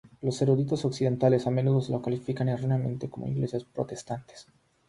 Los eruditos occidentales a menudo los califican erróneamente como iglesias protestantes.